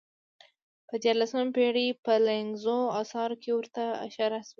په دیارلسمې پېړۍ په لیکنیزو اثارو کې ورته اشاره شوې.